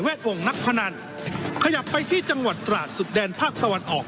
วงนักพนันขยับไปที่จังหวัดตราดสุดแดนภาคตะวันออก